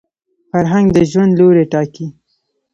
فرهنګ د ژوند لوري ټاکي